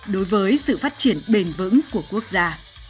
đối với sự phát triển bền vững của quốc gia